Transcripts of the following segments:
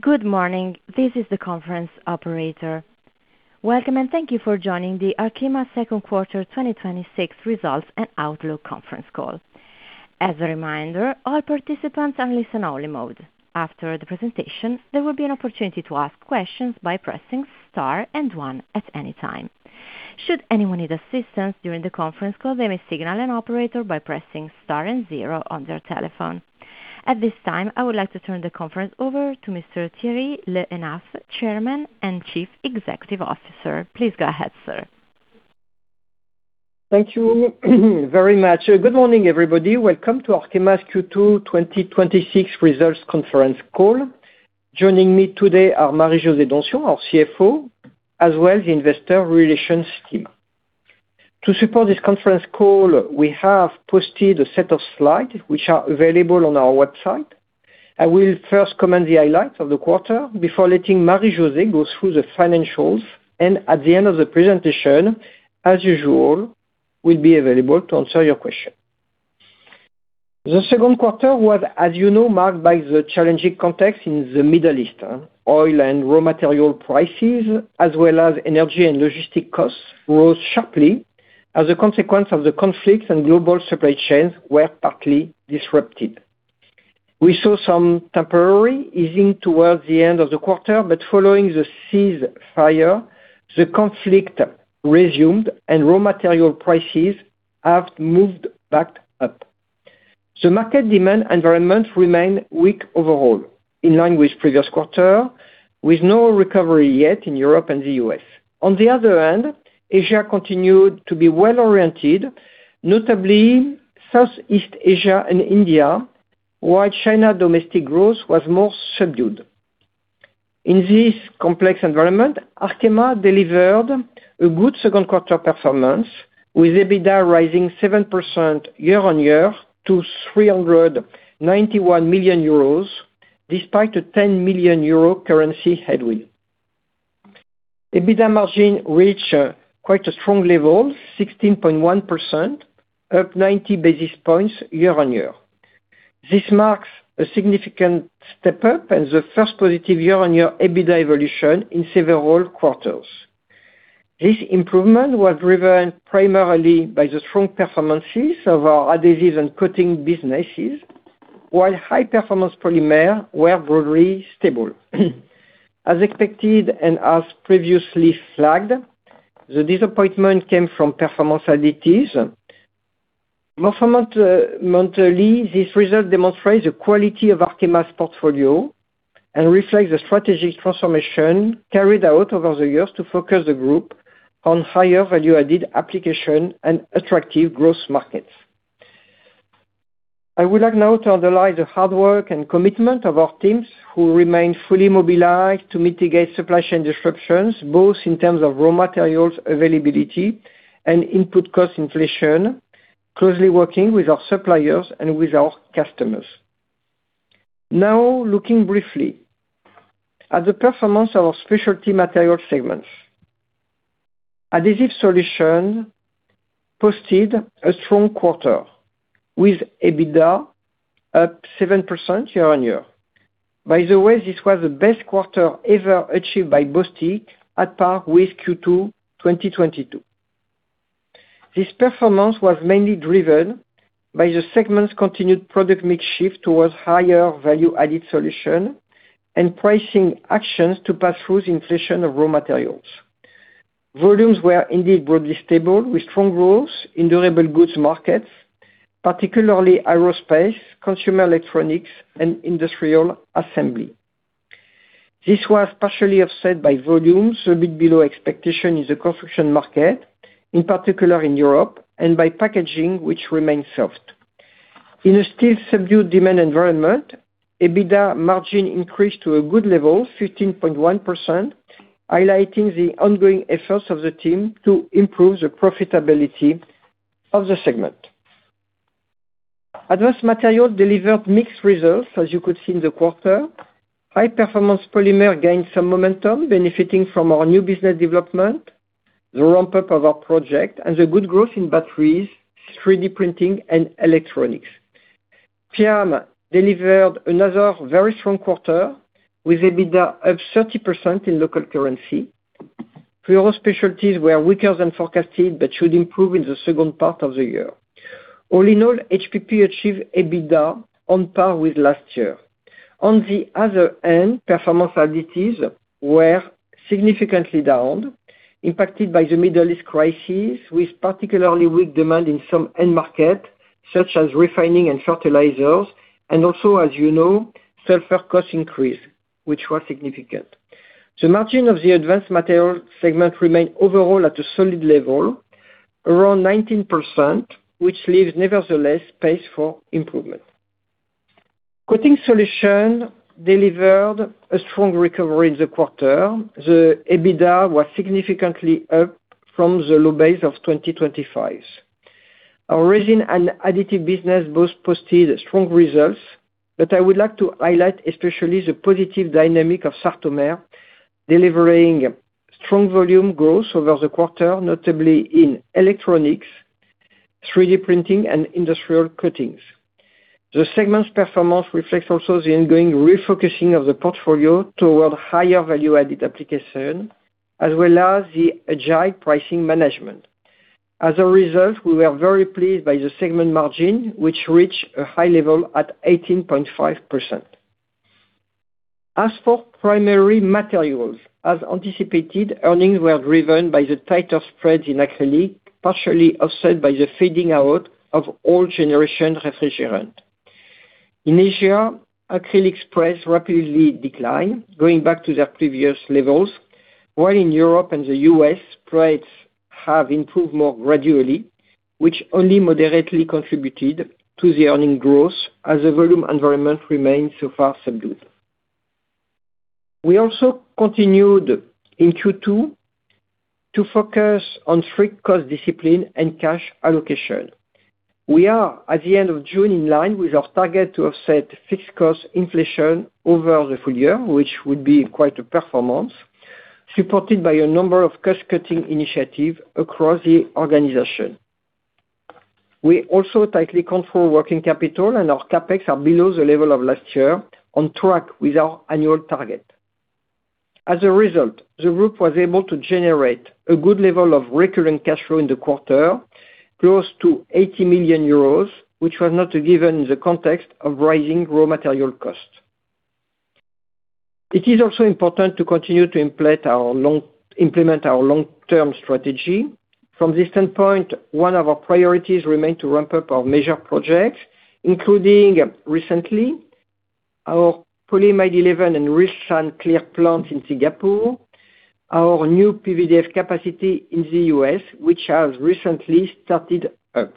Good morning. This is the conference operator. Welcome, and thank you for joining the Arkema second quarter 2026 results and outlook conference call. As a reminder, all participants are in listen-only mode. After the presentation, there will be an opportunity to ask questions by pressing star and one at any time. Should anyone need assistance during the conference call, they may signal an operator by pressing star and zero on their telephone. At this time, I would like to turn the conference over to Mr. Thierry Le Hénaff, Chairman and Chief Executive Officer. Please go ahead, sir. Thank you very much. Good morning, everybody. Welcome to Arkema's Q2 2026 results conference call. Joining me today are Marie-José Donsion, our CFO, as well as the investor relations team. To support this conference call, we have posted a set of slides which are available on our website. I will first comment the highlights of the quarter before letting Marie-José go through the financials. At the end of the presentation, as usual, we'll be available to answer your questions. The second quarter was, as you know, marked by the challenging context in the Middle East. Oil and raw material prices, as well as energy and logistic costs, rose sharply as a consequence of the conflicts and global supply chains were partly disrupted. We saw some temporary easing towards the end of the quarter, following the ceasefire, the conflict resumed and raw material prices have moved back up. The market demand environment remained weak overall, in line with previous quarter, with no recovery yet in Europe and the U.S. On the other hand, Asia continued to be well-oriented, notably Southeast Asia and India, while China domestic growth was more subdued. In this complex environment, Arkema delivered a good second quarter performance, with EBITDA rising 7% year-on-year to 391 million euros, despite a 10 million euro currency headwind. EBITDA margin reached quite a strong level, 16.1%, up 90 basis points year-on-year. This marks a significant step-up and the first positive year-on-year EBITDA evolution in several quarters. This improvement was driven primarily by the strong performances of our adhesives and coating businesses, while High Performance Polymers were broadly stable. As expected and as previously flagged, the disappointment came from Performance Additives. More fundamentally, this result demonstrates the quality of Arkema's portfolio and reflects the strategic transformation carried out over the years to focus the group on higher value-added application and attractive growth markets. I would like now to underline the hard work and commitment of our teams, who remain fully mobilized to mitigate supply chain disruptions, both in terms of raw materials availability and input cost inflation, closely working with our suppliers and with our customers. Now, looking briefly at the performance of our specialty material segments. Adhesive Solutions posted a strong quarter, with EBITDA up 7% year-on-year. By the way, this was the best quarter ever achieved by Bostik, at par with Q2 2022. This performance was mainly driven by the segment's continued product mix shift towards higher value-added solution and pricing actions to pass through the inflation of raw materials. Volumes were indeed broadly stable, with strong growth in durable goods markets, particularly aerospace, consumer electronics, and industrial assembly. This was partially offset by volumes a bit below expectation in the construction market, in particular in Europe, and by packaging, which remains soft. In a still subdued demand environment, EBITDA margin increased to a good level, 15.1%, highlighting the ongoing efforts of the team to improve the profitability of the segment. Advanced Materials delivered mixed results as you could see in the quarter. High-Performance Polymers gained some momentum, benefiting from our new business development, the ramp-up of our project, and the good growth in batteries, 3D printing, and electronics. PIAM delivered another very strong quarter, with EBITDA up 30% in local currency. Fluoro Specialties were weaker than forecasted but should improve in the second part of the year. All in all, HPP achieved EBITDA on par with last year. On the other hand, Performance Additives were significantly down, impacted by the Middle East crisis, with particularly weak demand in some end markets, such as refining and fertilizers, and also, as you know, sulfur cost increase, which was significant. The margin of the Advanced Materials segment remained overall at a solid level, around 19%, which leaves nevertheless space for improvement. Coating Solutions delivered a strong recovery in the quarter. The EBITDA was significantly up from the low base of 2025. Our resin and additives business both posted strong results, but I would like to highlight especially the positive dynamic of Sartomer, delivering strong volume growth over the quarter, notably in electronics 3D printing and industrial coatings. The segment's performance reflects also the ongoing refocusing of the portfolio toward higher value-added application, as well as the agile pricing management. As a result, we were very pleased by the segment margin, which reached a high level at 18.5%. As for Primary Materials, as anticipated, earnings were driven by the tighter spreads in acrylic, partially offset by the fading out of old generation refrigerant. In Asia, acrylic spreads rapidly decline, going back to their previous levels, while in Europe and the U.S., spreads have improved more gradually, which only moderately contributed to the earning growth as the volume environment remains so far subdued. We also continued in Q2 to focus on free cost discipline and cash allocation. We are, at the end of June, in line with our target to offset fixed cost inflation over the full year, which would be quite a performance, supported by a number of cost-cutting initiative across the organization. We also tightly control working capital, and our CapEx are below the level of last year, on track with our annual target. As a result, the group was able to generate a good level of recurring cash flow in the quarter, close to 80 million euros, which was not a given in the context of rising raw material cost. It is also important to continue to implement our long-term strategy. From this standpoint, one of our priorities remain to ramp up our major projects, including recently our Polyamide 11 and Rilsan Clear plant in Singapore, our new PVDF capacity in the U.S., which has recently started up.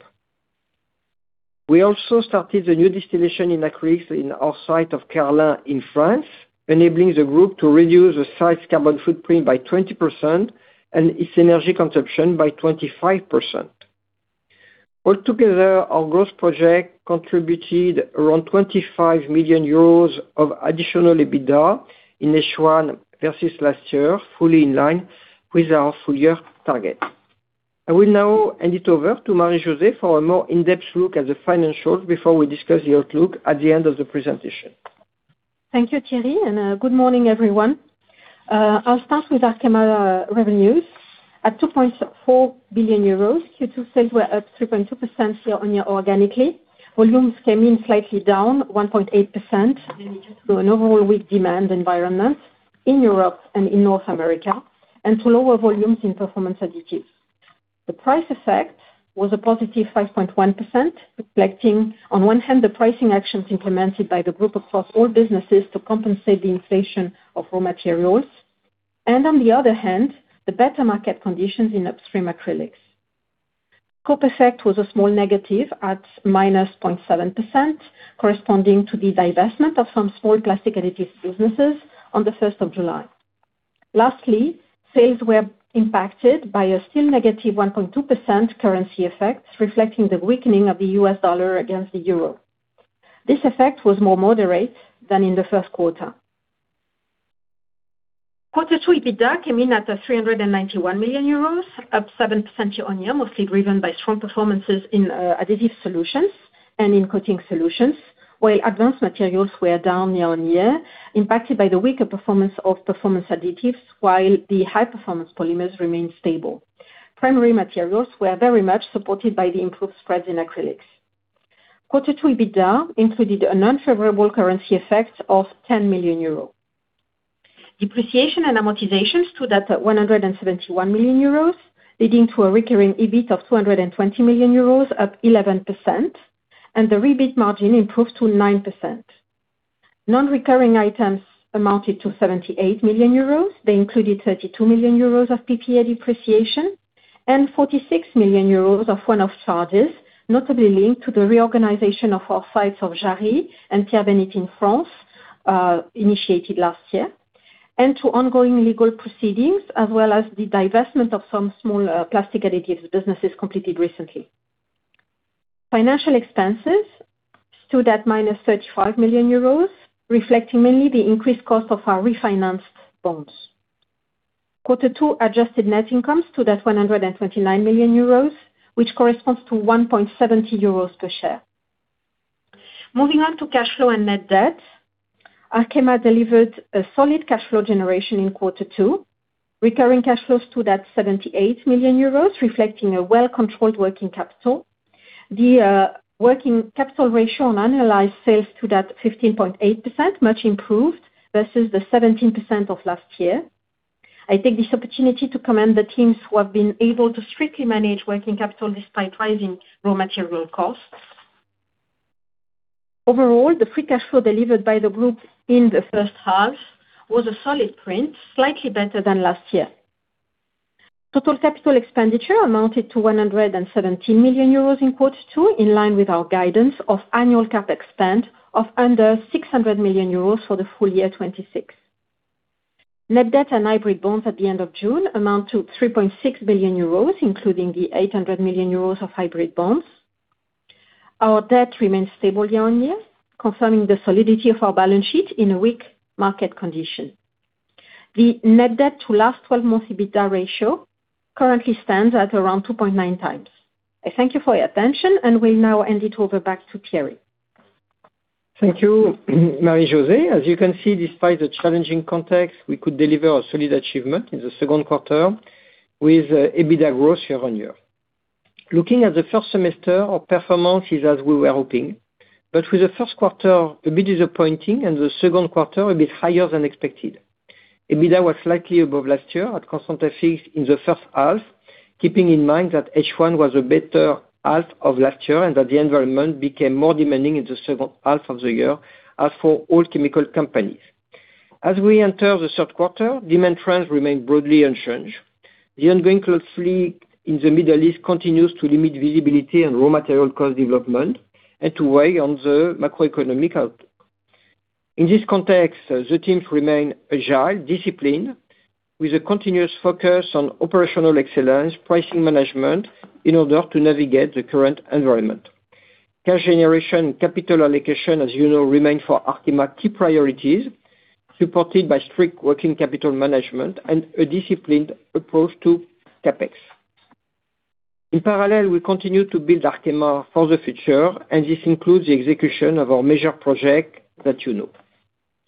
We also started the new distillation in acrylics in our site of Jarrie in France, enabling the group to reduce the site's carbon footprint by 20% and its energy consumption by 25%. All together, our growth project contributed around 25 million euros of additional EBITDA in H1 versus last year, fully in line with our full-year target. I will now hand it over to Marie-José for a more in-depth look at the financials before we discuss the outlook at the end of the presentation. Thank you, Thierry, and good morning, everyone. I'll start with Arkema revenues at 2.4 billion euros. Q2 sales were up 3.2% year-on-year organically. Volumes came in slightly down 1.8% due to an overall weak demand environment in Europe and in North America and to lower volumes in Performance Additives. The price effect was a +5.1%, reflecting, on one hand, the pricing actions implemented by the group across all businesses to compensate the inflation of raw materials, and on the other hand, the better market conditions in upstream acrylics. Scope effect was a small negative at -0.7%, corresponding to the divestment of some small plastic additives businesses on the July 1st. Lastly, sales were impacted by a still -1.2% currency effect, reflecting the weakening of the U.S. dollar against the euro. This effect was more moderate than in the first quarter. Quarter two EBITDA came in at 391 million euros, up 7% year-on-year, mostly driven by strong performances in Adhesive Solutions and in Coating Solutions, where Advanced Materials were down year-on-year, impacted by the weaker performance of Performance Additives while the High Performance Polymers remained stable. Primary Materials were very much supported by the improved spreads in acrylics. Quarter two EBITDA included an unfavorable currency effect of 10 million euros. Depreciation and amortization stood at 171 million euros, leading to a recurring EBIT of 220 million euros, up 11%, and the REBIT margin improved to 9%. Non-recurring items amounted to 78 million euros. They included 32 million euros of PPA depreciation and 46 million euros of one-off charges, notably linked to the reorganization of our sites of Jarrie and Pierre-Bénite in France, initiated last year, and to ongoing legal proceedings as well as the divestment of some small plastic additives businesses completed recently. Financial expenses stood at -35 million euros, reflecting mainly the increased cost of our refinanced bonds. Quarter two adjusted net income stood at 129 million euros, which corresponds to 1.70 euros per share. Moving on to cash flow and net debt. Arkema delivered a solid cash flow generation in quarter two. Recurring cash flows stood at 78 million euros, reflecting a well-controlled working capital. The working capital ratio on annualized sales stood at 15.8%, much improved versus the 17% of last year. I take this opportunity to commend the teams who have been able to strictly manage working capital despite rising raw material costs. Overall, the free cash flow delivered by the group in the first half was a solid print, slightly better than last year. Total capital expenditure amounted to 117 million euros in quarter two, in line with our guidance of annual CapEx spend of under 600 million euros for the full year 2026. Net debt and hybrid bonds at the end of June amount to 3.6 billion euros, including the 800 million euros of hybrid bonds. Our debt remains stable year-on-year, confirming the solidity of our balance sheet in a weak market condition. The net debt to last 12-month EBITDA ratio currently stands at around 2.9x. I thank you for your attention, will now hand it over back to Thierry. Thank you, Marie-José. You can see, despite the challenging context, we could deliver a solid achievement in the second quarter with EBITDA growth year-on-year. Looking at the first semester, our performance is as we were hoping, with the first quarter a bit disappointing and the second quarter a bit higher than expected. EBITDA was slightly above last year at constant FX in the first half, keeping in mind that H1 was a better half of last year and that the environment became more demanding in the second half of the year as for all chemical companies. We enter the third quarter, demand trends remain broadly unchanged. The ongoing conflict in the Middle East continues to limit visibility on raw material cost development and to weigh on the macroeconomic outlook. This context, the teams remain agile, disciplined, with a continuous focus on operational excellence, pricing management, in order to navigate the current environment. Cash generation and capital allocation, as you know, remain for Arkema key priorities, supported by strict working capital management and a disciplined approach to CapEx. Parallel, we continue to build Arkema for the future, this includes the execution of our major project that you know.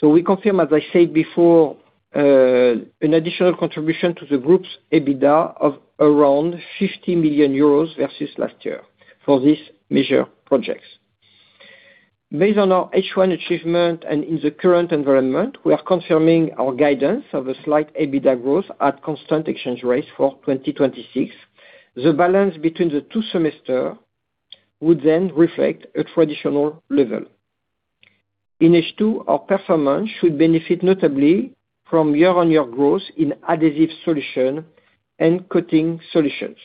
We confirm, as I said before, an additional contribution to the group's EBITDA of around 50 million euros versus last year for these major projects. Based on our H1 achievement and in the current environment, we are confirming our guidance of a slight EBITDA growth at constant exchange rates for 2026. Balance between the two semester would then reflect a traditional level. H2, our performance should benefit notably from year-on-year growth in Adhesive Solutions and Coating Solutions.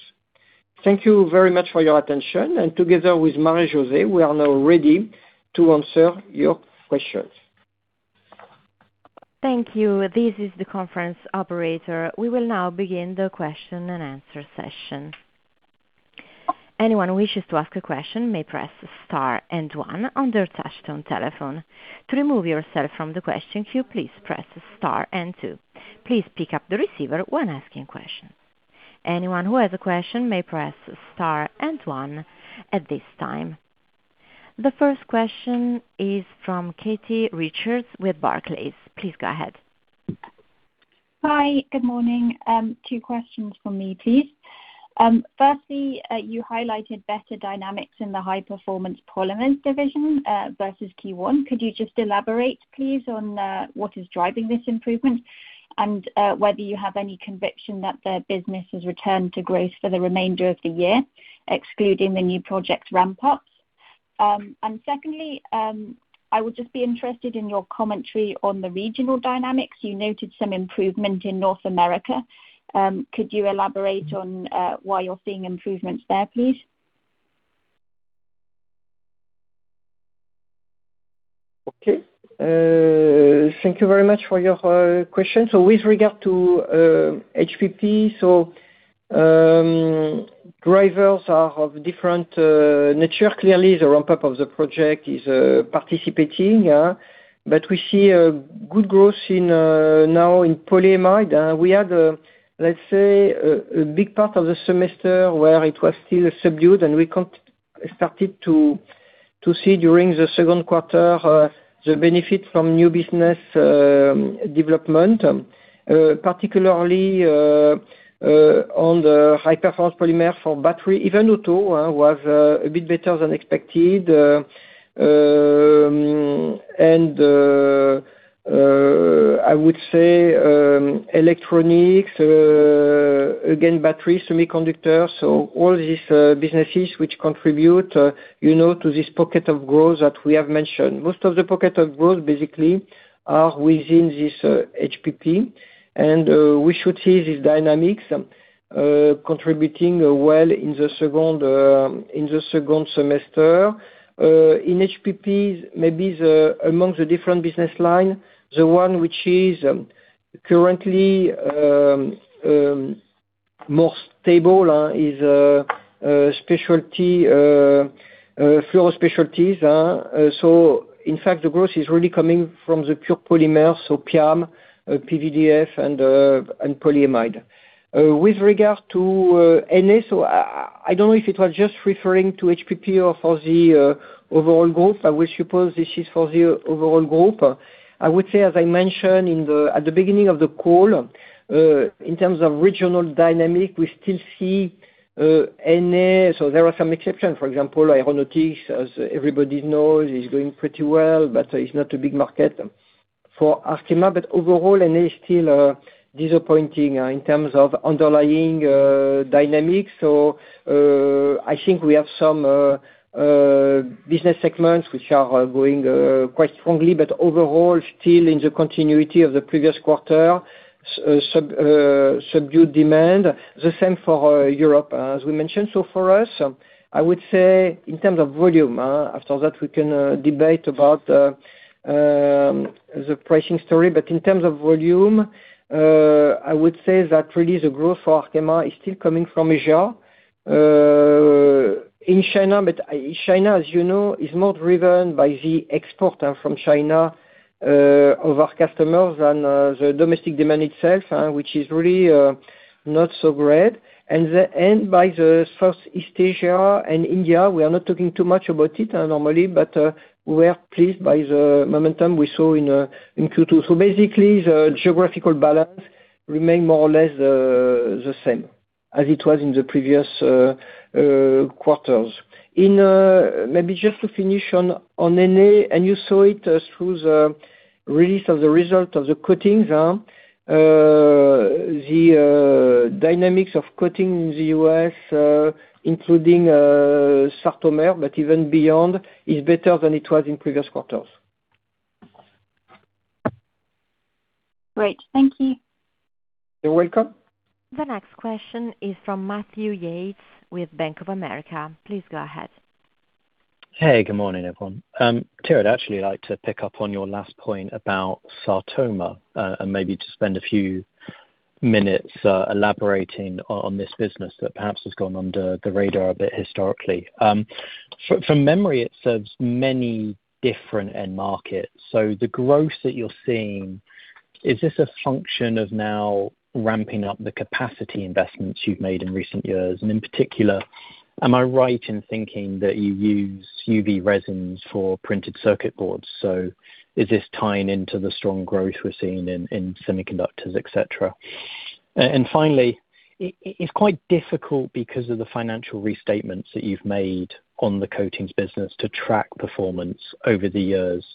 Thank you very much for your attention, together with Marie-José, we are now ready to answer your questions. Thank you. This is the conference operator. We will now begin the question and answer session. Anyone who wishes to ask a question may press star and one on their touch-tone telephone. To remove yourself from the question queue, please press star and two. Please pick up the receiver when asking questions. Anyone who has a question may press star and one at this time. The first question is from Katie Richards with Barclays. Please go ahead. Hi. Good morning. Two questions from me, please. Firstly, you highlighted better dynamics in the High Performance Polymers division, versus Q1. Could you just elaborate, please, on what is driving this improvement and whether you have any conviction that the business has returned to growth for the remainder of the year, excluding the new project ramp-ups? Secondly, I would just be interested in your commentary on the regional dynamics. You noted some improvement in North America. Could you elaborate on why you're seeing improvements there, please? Okay. Thank you very much for your question. With regard to HPP, drivers are of different nature. Clearly, the ramp-up of the project is participating. We see a good growth now in polyamide. We had, let's say, a big part of the semester where it was still subdued, and we started to see during the second quarter, the benefit from new business development, particularly on the high-performance polymer for battery. Even auto was a bit better than expected. I would say, electronics, again, batteries, semiconductors. All these businesses which contribute to this pocket of growth that we have mentioned. Most of the pocket of growth basically are within this HPP. We should see these dynamics contributing well in the second semester. In HPP, maybe among the different business line, the one which is currently more stable is Fluoro Specialties. In fact, the growth is really coming from the pure polymers, PIAM, PVDF and polyamide. With regard to NA, I don't know if it was just referring to HPP or for the overall group. I will suppose this is for the overall group. I would say, as I mentioned at the beginning of the call, in terms of regional dynamic, we still see NA. There are some exceptions. For example, aeronautics, as everybody knows, is doing pretty well, but it's not a big market for Arkema. Overall, NA is still disappointing in terms of underlying dynamics. I think we have some business segments which are growing quite strongly, but overall, still in the continuity of the previous quarter, subdued demand. The same for Europe, as we mentioned. For us, I would say in terms of volume, after that, we can debate about the pricing story. In terms of volume, I would say that really the growth for Arkema is still coming from Asia. In China, but China, as you know, is more driven by the exporter from China, of our customers than the domestic demand itself, which is really not so great. By the Southeast Asia and India, we are not talking too much about it normally, but we are pleased by the momentum we saw in Q2. Basically, the geographical balance remain more or less the same as it was in the previous quarters. Maybe just to finish on NA, and you saw it through the release of the result of the coatings. The dynamics of coating in the U.S. including Sartomer, but even beyond, is better than it was in previous quarters. Great. Thank you. You're welcome. The next question is from Matthew Yates with Bank of America. Please go ahead. Hey, good morning, everyone. Thierry, I'd actually like to pick up on your last point about Sartomer, and maybe to spend a few minutes elaborating on this business that perhaps has gone under the radar a bit historically. From memory, it serves many different end markets. The growth that you're seeing, is this a function of now ramping up the capacity investments you've made in recent years? In particular, am I right in thinking that you use UV resins for printed circuit boards? Is this tying into the strong growth we're seeing in semiconductors, et cetera? Finally, it's quite difficult because of the financial restatements that you've made on the coatings business to track performance over the years.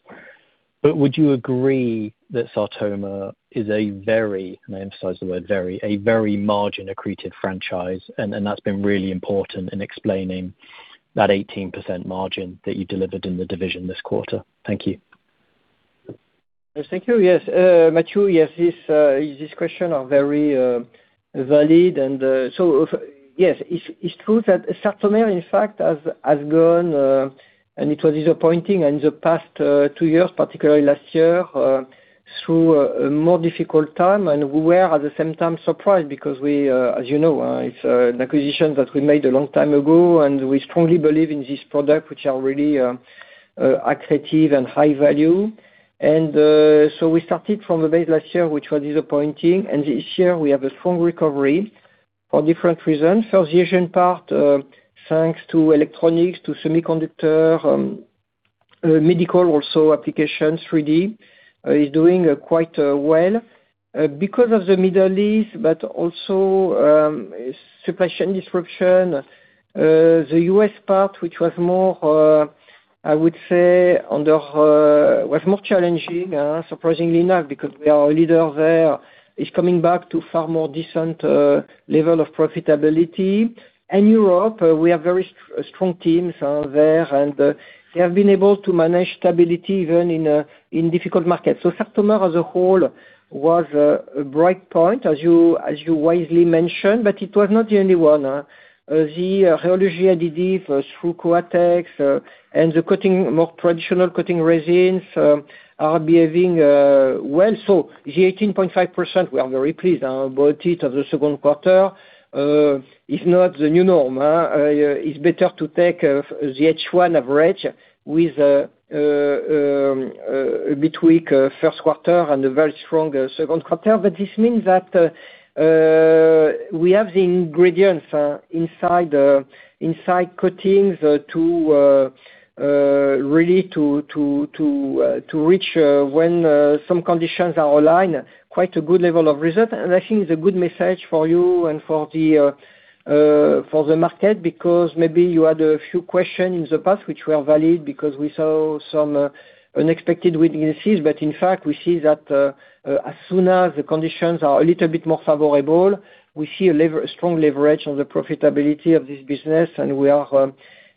Would you agree that Sartomer is a very, and I emphasize the word very, a very margin accretive franchise, and that's been really important in explaining that 18% margin that you delivered in the division this quarter? Thank you. Yes, thank you. Yes, Matthew, these question are very valid. Yes, it's true that Sartomer, in fact, has gone, and it was disappointing in the past two years, particularly last year, through a more difficult time. We were, at the same time, surprised because as you know, it's an acquisition that we made a long time ago, and we strongly believe in this product, which are really accretive and high value. We started from the base last year, which was disappointing. This year we have a strong recovery for different reasons. First, the Asian part, thanks to electronics, to semiconductor, medical also applications, 3D, is doing quite well. Because of the Middle East, but also, supply chain disruption. The U.S. part, which was more, I would say, was more challenging, surprisingly enough, because we are a leader there, is coming back to far more decent level of profitability. In Europe, we have very strong teams there, and they have been able to manage stability even in difficult markets. Sartomer as a whole was a bright point as you wisely mentioned, but it was not the only one. The rheology additive through Coatex, and the more traditional coating resins, are behaving well. The 18.5%, we are very pleased about it as the second quarter, is not the new norm. It's better to take the H1 average with a bit weak first quarter and a very strong second quarter. This means that we have the ingredients inside coatings, really to reach, when some conditions are aligned, quite a good level of result. I think it's a good message for you and for the market, because maybe you had a few questions in the past, which were valid because we saw some unexpected weaknesses. In fact, we see that, as soon as the conditions are a little bit more favorable, we see a strong leverage on the profitability of this business, and we are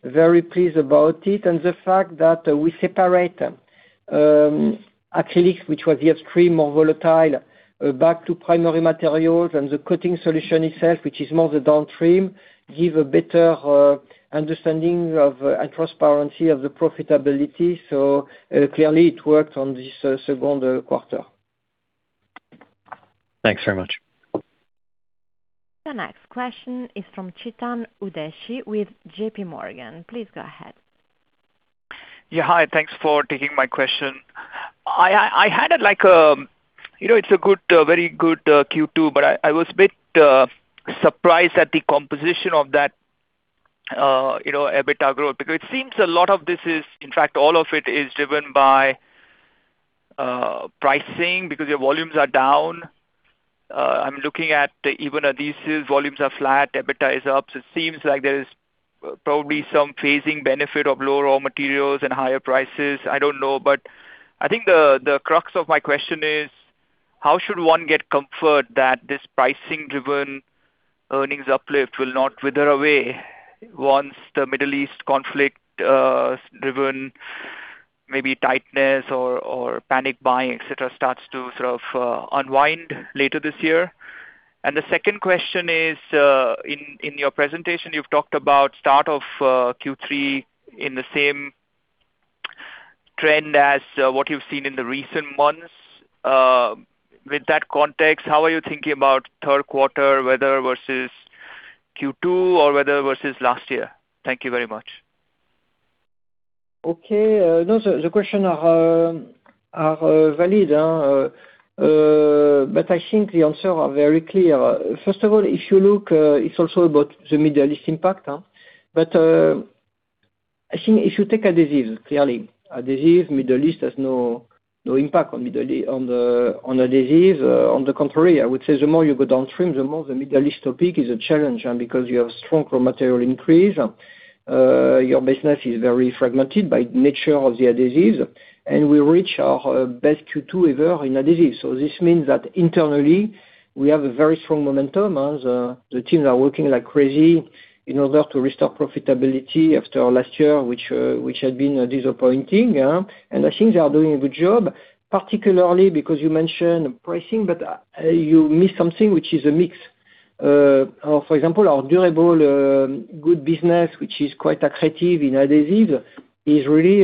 very pleased about it. The fact that we separate acrylics, which was the upstream, more volatile, back to Primary Materials and the Coating Solutions itself, which is more the downstream, give a better understanding and transparency of the profitability. Clearly it worked on this second quarter. Thanks very much. The next question is from Chetan Udeshi with JPMorgan. Please go ahead. Yeah. Hi, thanks for taking my question. It's a very good Q2, but I was a bit surprised at the composition of that EBITDA growth, because it seems a lot of this is, in fact, all of it is driven by pricing because your volumes are down. I'm looking at even adhesives, volumes are flat, EBITDA is up. It seems like there is probably some phasing benefit of lower raw materials and higher prices, I don't know. I think the crux of my question is, how should one get comfort that this pricing driven earnings uplift will not wither away once the Middle East conflict driven maybe tightness or panic buying, et cetera, starts to sort of unwind later this year? The second question is, in your presentation, you've talked about start of Q3 in the same trend as what you've seen in the recent months. With that context, how are you thinking about third quarter weather versus Q2, or weather versus last year? Thank you very much. Okay. No, the questions are valid. I think the answers are very clear. First of all, if you look, it's also about the Middle East impact. I think if you take adhesives, clearly, adhesives, Middle East has no impact on adhesives. On the contrary, I would say the more you go downstream, the more the Middle East topic is a challenge. Because you have strong raw material increase, your business is very fragmented by nature of the adhesives, and we reach our best Q2 ever in adhesives. This means that internally, we have a very strong momentum as the teams are working like crazy in order to restore profitability after last year, which had been disappointing. I think they are doing a good job, particularly because you mentioned pricing, but you missed something, which is a mix. For example, our durable goods business, which is quite attractive in adhesives, is really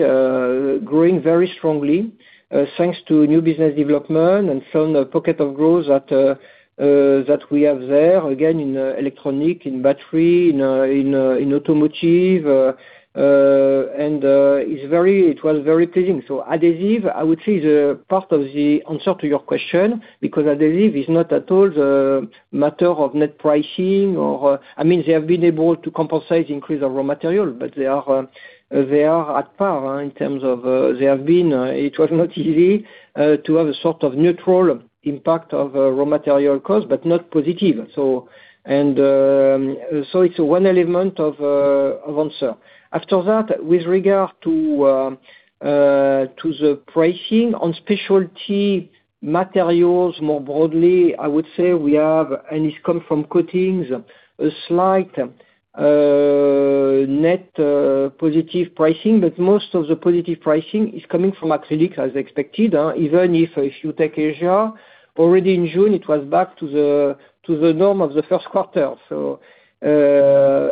growing very strongly, thanks to new business development and some pocket of growth that we have there, again, in electronics, in battery, in automotive, and it was very pleasing. Adhesive, I would say, is a part of the answer to your question, because adhesive is not at all the matter of net pricing. They have been able to compensate increase of raw material, but they are at par in terms of, they have been, it was not easy to have a sort of neutral impact of raw material cost, but not positive. It's one element of answer. After that, with regard to the pricing on specialty materials more broadly, I would say we have, and it come from coatings, a slight net positive pricing, but most of the positive pricing is coming from acrylics as expected. Even if you take Asia, already in June, it was back to the norm of the first quarter. In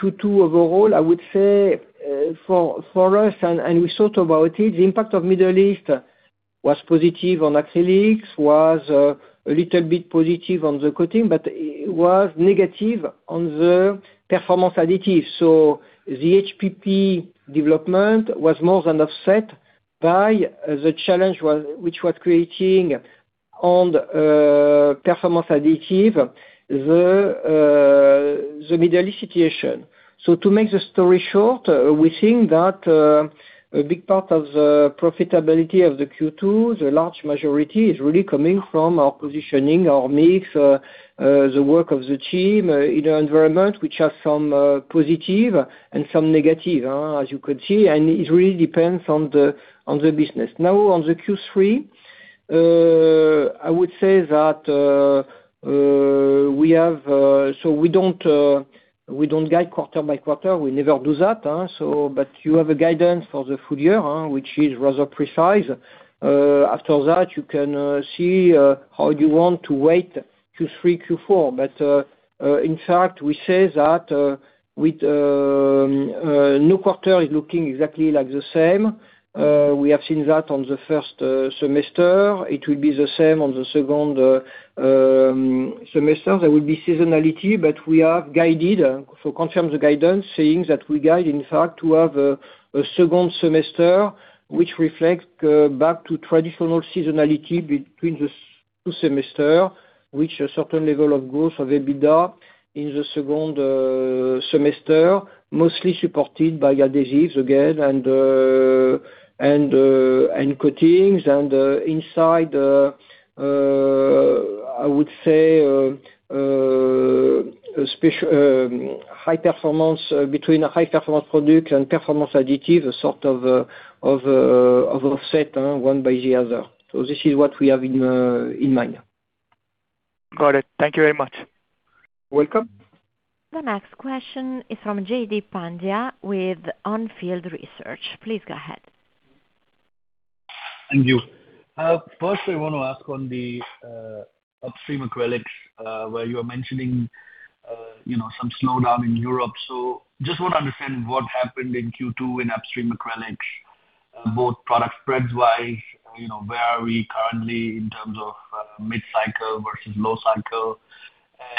Q2 overall, I would say for us, and we thought about it, the impact of Middle East was positive on acrylics, was a little bit positive on the coating, but it was negative on the Performance Additives. The HPP development was more than offset by the challenge which was creating on the Performance Additives, the Middle East situation. To make the story short, we think that a big part of the profitability of the Q2, the large majority is really coming from our positioning, our mix, the work of the team in an environment which has some positive and some negative, as you could see. It really depends on the business. Now on the Q3, I would say that we don't guide quarter by quarter. We never do that. You have a guidance for the full year, which is rather precise. After that, you can see how you want to weight Q3, Q4. In fact, we say that with no quarter is looking exactly like the same. We have seen that on the first semester. It will be the same on the second semester. There will be seasonality, but we have guided. Confirm the guidance, saying that we guide, in fact, to have a second semester, which reflects back to traditional seasonality between the two semester, which a certain level of growth of EBITDA in the second semester, mostly supported by adhesives again and coatings. Inside, I would say, between high performance product and Performance Additives, a sort of offset, one by the other. This is what we have in mind. Got it. Thank you very much. Welcome. The next question is from Jaideep Pandya with On Field Investment Research. Please go ahead. Thank you. First I want to ask on the upstream acrylics, where you are mentioning some slowdown in Europe. Just want to understand what happened in Q2 in upstream acrylics, both product spreads-wise, where are we currently in terms of mid cycle versus low cycle,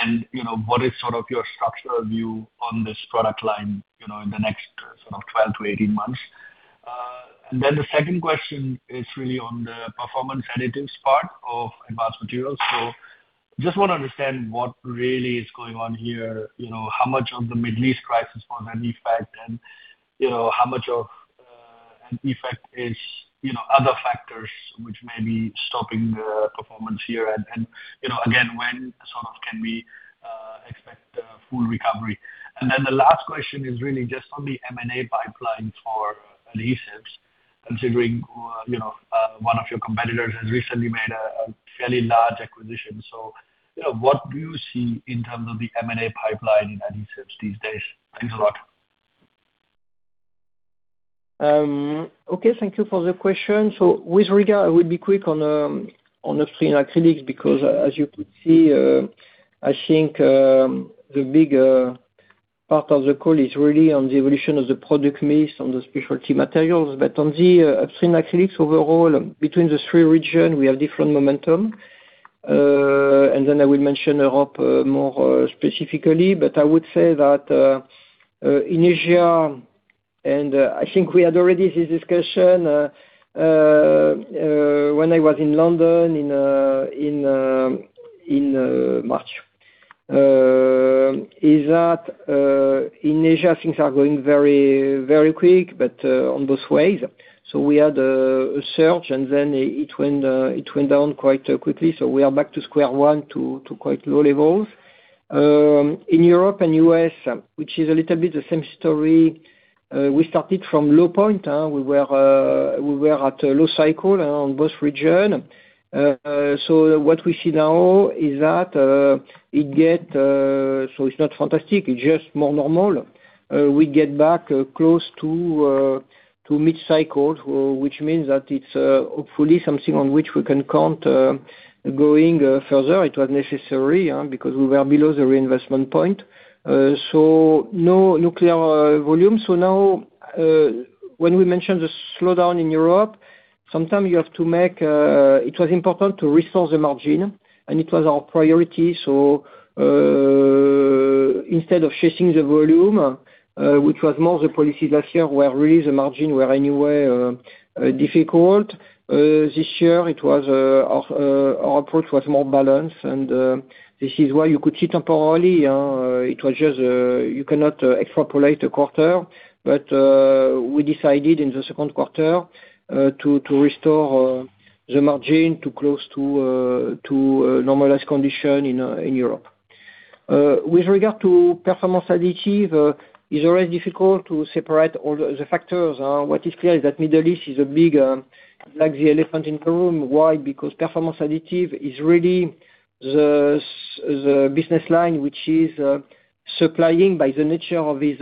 and what is sort of your structural view on this product line in the next sort of 12-18 months? The second question is really on the Performance Additives part of Advanced Materials. Just want to understand what really is going on here, how much of the Middle East crisis was an effect, and how much of an effect is other factors which may be stopping the performance here. Again, when sort of can we expect a full recovery? The last question is really just on the M&A pipeline for adhesives, considering one of your competitors has recently made a fairly large acquisition. What do you see in terms of the M&A pipeline in adhesives these days? Thanks a lot. Okay, thank you for the question. With regard, I will be quick on upstream acrylics because as you could see, I think the bigger part of the call is really on the evolution of the product mix on the specialty materials. On the upstream acrylics overall, between the three regions, we have different momentum. I will mention Europe more specifically, but I would say that in Asia, I think we had already this discussion when I was in London in March. In Asia, things are going very quick, but on both ways. We had a surge and then it went down quite quickly. We are back to square one to quite low levels. In Europe and U.S., which is a little bit the same story. We started from low point. We were at a low cycle on both regions. What we see now is that it's not fantastic, it's just more normal. We get back close to mid cycle, which means that it's hopefully something on which we can count, going further. It was necessary, because we were below the reinvestment point. No nuclear volume. Now, when we mention the slowdown in Europe, it was important to restore the margin and it was our priority. Instead of chasing the volume, which was more the policy last year, where really the margin were anyway difficult. This year our approach was more balanced and this is why you could see temporarily, it was just, you cannot extrapolate a quarter. We decided in the second quarter, to restore the margin to close to a normalized condition in Europe. With regard to Performance Additives, it's always difficult to separate all the factors. What is clear is that Middle East is a big, like the elephant in the room. Why? Because Performance Additives is really the business line, which is supplying by the nature of this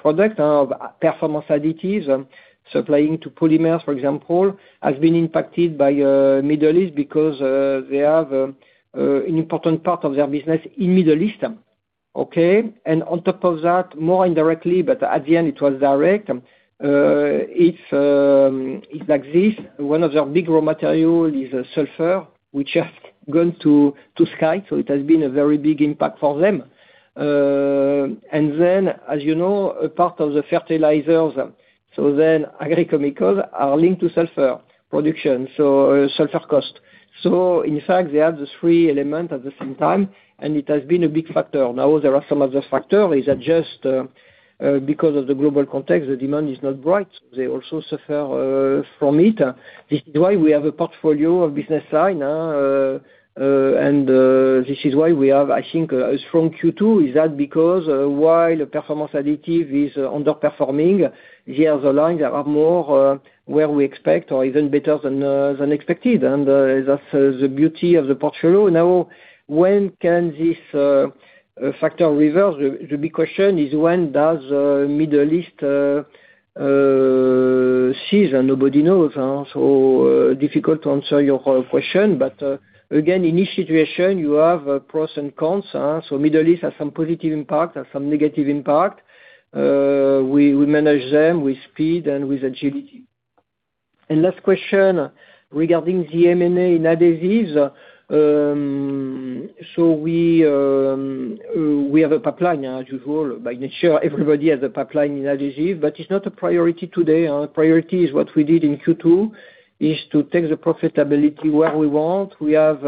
product of Performance Additives. Supplying to polymers, for example, has been impacted by Middle East because they have an important part of their business in Middle East. Okay. On top of that, more indirectly, but at the end it was direct. It's like this, one of their big raw material is sulfur, which has gone to sky, so it has been a very big impact for them. Then, as you know, a part of the fertilizers. Agricultural chemicals are linked to sulfur production, so sulfur cost. In fact, they have the three element at the same time, and it has been a big factor. There are some other factor is that just because of the global context, the demand is not bright. They also suffer from it. This is why we have a portfolio of business line. This is why we have, I think, a strong Q2. Is that because, while the Performance Additives is underperforming the other lines that are more, where we expect or even better than expected. That's the beauty of the portfolio. When can this factor reverse? The big question is when does Middle East cease, and nobody knows. Difficult to answer your question, but again, in this situation, you have pros and cons. Middle East has some positive impact, has some negative impact. We manage them with speed and with agility. Last question regarding the M&A in adhesives. We have a pipeline, as usual. By nature, everybody has a pipeline in adhesive, but it's not a priority today. Our priority is what we did in Q2, is to take the profitability where we want. We have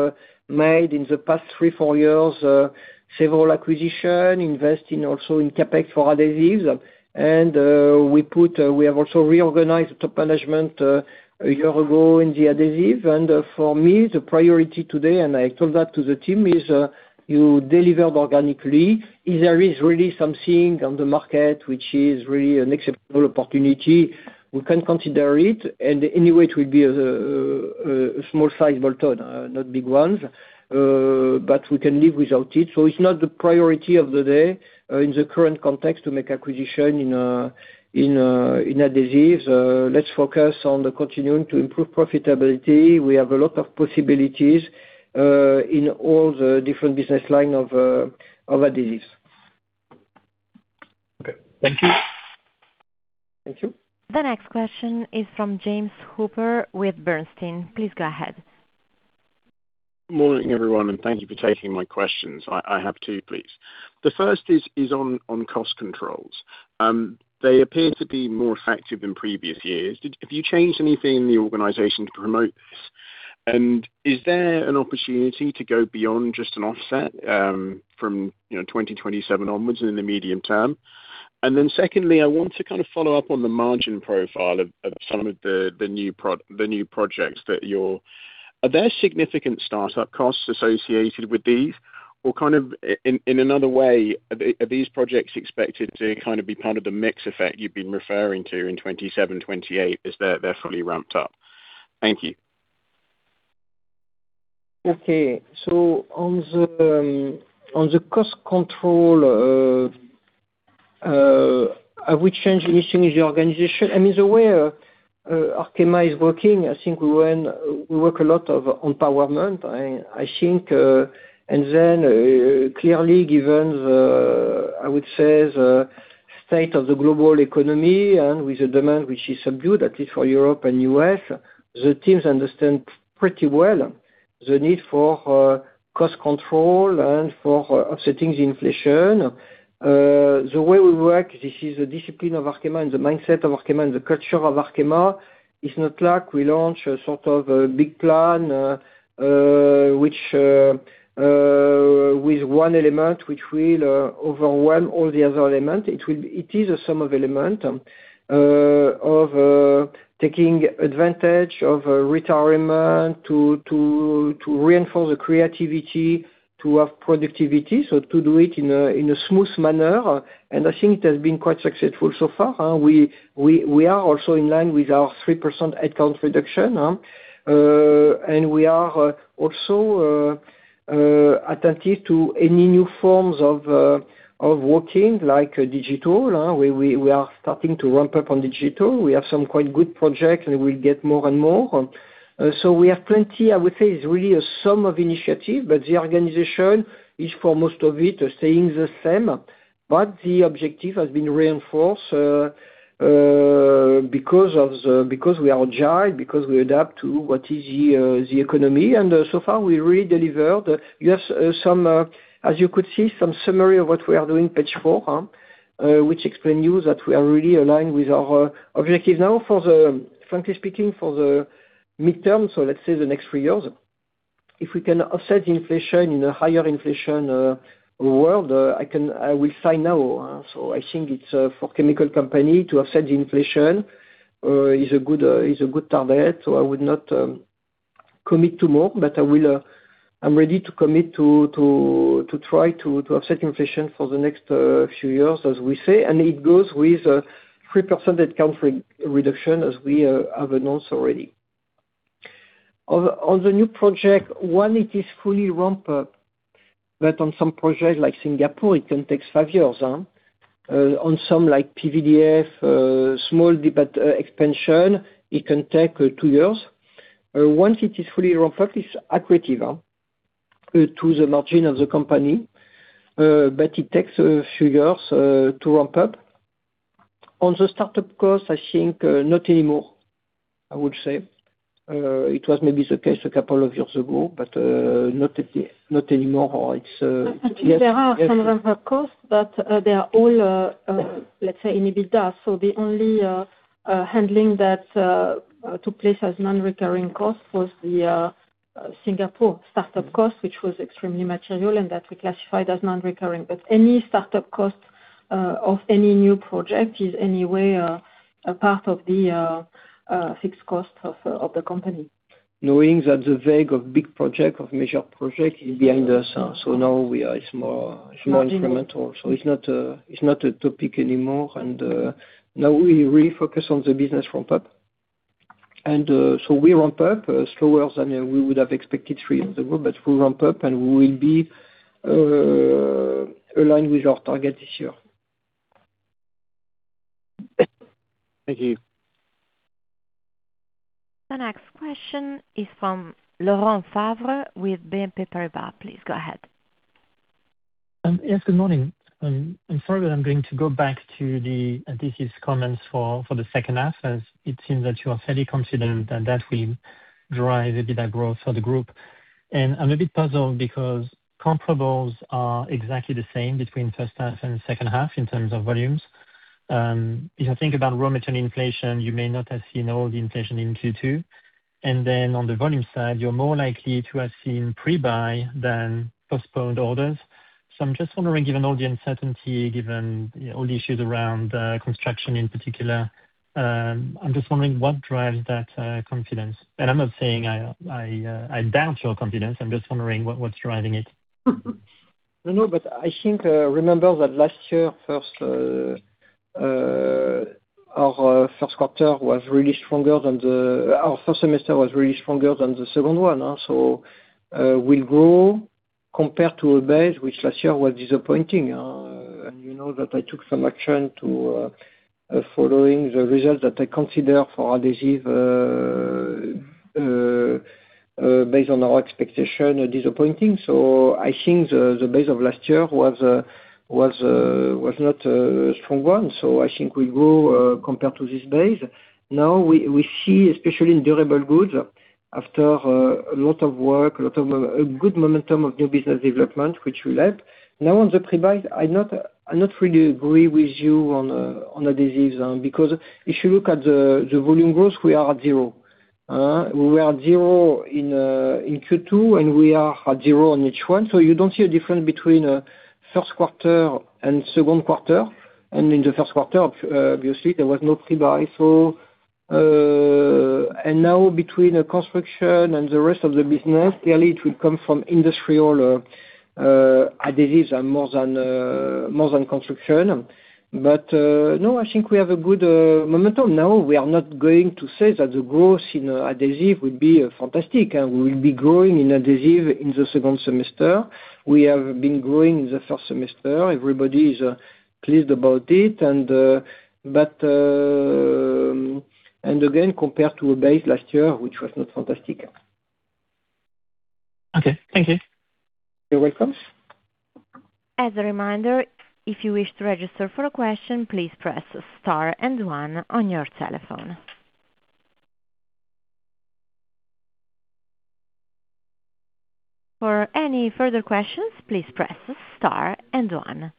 made, in the past three, four years, several acquisition, investing also in CapEx for adhesives. We have also reorganized the top management a year ago in the adhesive. For me, the priority today, and I told that to the team, is you delivered organically. If there is really something on the market which is really an acceptable opportunity, we can consider it. Anyway, it will be a small size bolt-on, not big ones. We can live without it. It's not the priority of the day, in the current context to make acquisition in adhesives. Let's focus on the continuing to improve profitability. We have a lot of possibilities, in all the different business line of adhesives. Okay. Thank you. Thank you. The next question is from James Hooper with Bernstein. Please go ahead. Morning, everyone, thank you for taking my questions. I have two, please. The first is on cost controls. They appear to be more effective than previous years. Have you changed anything in the organization to promote this? Is there an opportunity to go beyond just an offset, from 2027 onwards and in the medium term? Secondly, I want to kind of follow up on the margin profile of some of the new projects. Are there significant startup costs associated with these? Or kind of in another way, are these projects expected to kind of be part of the mix effect you've been referring to in 2027/2028 as they're fully ramped up? Thank you. Okay. On the cost control, I would change the mission with the organization. The way Arkema is working, I think we work a lot of empowerment, I think. Clearly given the, I would say, the state of the global economy and with the demand, which is subdued, at least for Europe and U.S., the teams understand pretty well the need for cost control and for offsetting the inflation. The way we work, this is the discipline of Arkema and the mindset of Arkema and the culture of Arkema. It's not like we launch a sort of a big plan with one element, which will overwhelm all the other elements. It is a sum of elements, of taking advantage, of retirement to reinforce the creativity, to have productivity, so to do it in a smooth manner. I think it has been quite successful so far. We are also in line with our 3% headcount reduction. We are also attentive to any new forms of working like digital. We are starting to ramp up on digital. We have some quite good projects, and we'll get more and more. We have plenty, I would say, it's really a sum of initiatives, but the organization is for most of it, staying the same. The objective has been reinforced because we are agile, because we adapt to what is the economy. So far we really delivered. You have some, as you could see, some summary of what we are doing, page four, which explains to you that we are really aligned with our objectives. Now for the, frankly speaking, for the midterm, so let's say the next three years, if we can offset inflation in a higher inflation world, I will sign now. I think it's, for a chemical company to offset the inflation, is a good target. I would not commit to more, but I'm ready to commit to try to offset inflation for the next few years, as we say. It goes with 3% headcount reduction, as we have announced already. On the new project, it is fully ramped up, but on some projects like Singapore, it can take five years. On some like PVDF, small expansion, it can take two years. Once it is fully ramped up, it's accretive to the margin of the company, but it takes a few years to ramp up. On the startup cost, I think not anymore, I would say. It was maybe the case a couple of years ago, but not anymore. There are some ramp-up costs, they are all, let's say, in EBITDA. The only handling that took place as non-recurring cost was the Singapore startup cost, which was extremely material and that we classified as non-recurring. Any startup cost of any new project is anyway a part of the fixed cost of the company. Knowing that the wave of big project, of major project is behind us. Now it's more incremental. It's not a topic anymore. Now we refocus on the business ramp-up. We ramp up slower than we would have expected three years ago. We ramp up, and we will be aligned with our target this year. Thank you. The next question is from Laurent Favre with BNP Paribas. Please go ahead. Yes, good morning. I'm sorry that I'm going to go back to the adhesive comments for the second half, as it seems that you are fairly confident that that will drive EBITDA growth for the group. I'm a bit puzzled because comparables are exactly the same between first half and second half in terms of volumes. If I think about raw material inflation, you may not have seen all the inflation in Q2. On the volume side, you're more likely to have seen pre-buy than postponed orders. I'm just wondering, given all the uncertainty, given all the issues around construction in particular, I'm just wondering what drives that confidence. I'm not saying I doubt your confidence, I'm just wondering what's driving it. I think, remember that last year our first semester was really stronger than the second one. We'll grow compared to a base, which last year was disappointing. You know that I took some action following the results that I consider for adhesive based on our expectation disappointing. I think the base of last year was not a strong one. I think we'll grow compared to this base. We see, especially in durable goods, after a lot of work, a good momentum of new business development, which will help. On the pre-buy, I not really agree with you on adhesive, because if you look at the volume growth, we are at zero. We were at zero in Q2, and we are at zero in Q1. You don't see a difference between first quarter and second quarter. In the first quarter, obviously, there was no pre-buy. Between construction and the rest of the business, clearly it will come from industrial adhesives more than construction. I think we have a good momentum now. We are not going to say that the growth in adhesive will be fantastic, and we will be growing in adhesive in the second semester. We have been growing in the first semester. Everybody is pleased about it. Again, compared to a base last year, which was not fantastic. Thank you. You're welcome. As a reminder, if you wish to register for a question, please press star and one on your telephone. For any further questions, please press star and one.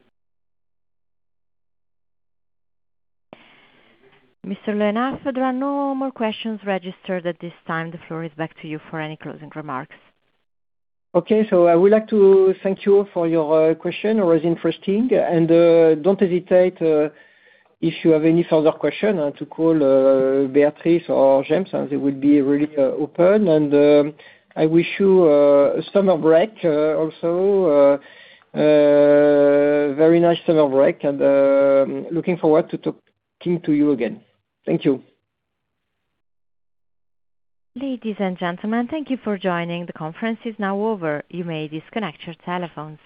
Mr. Le Hénaff, there are no more questions registered at this time. The floor is back to you for any closing remarks. Okay. I would like to thank you for your question. It was interesting. Don't hesitate if you have any further question to call Béatrice or James, and they would be really open. I wish you a summer break also, a very nice summer break, and looking forward to talking to you again. Thank you. Ladies and gentlemen, thank you for joining. The conference is now over. You may disconnect your telephones.